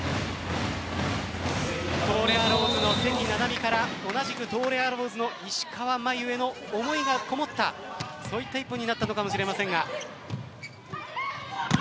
東レアローズの関菜々巳から同じく東レアローズの石川真佑への思いがこもったそういった１本になったのかもしれません。